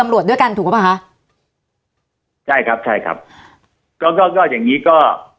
กรามรวดด้วยกันถูกหรือเปล่าฮะใช่ครับใช่ครับก็อย่างนี้ก็